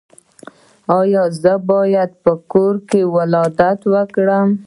ایا زه باید په کور ولادت وکړم؟